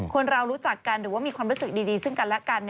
คนเรารู้จักกันหรือว่ามีความรู้สึกดีซึ่งกันและกัน